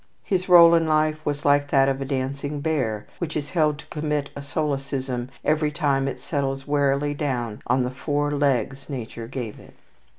His role in life was like that of a dancing bear, which is held to commit a solecism every time it settles wearily down on the four legs nature gave it.